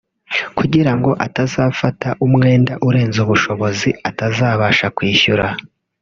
kugira ngo atazafata umwenda urenze ubushobozi atazabasha kwishyura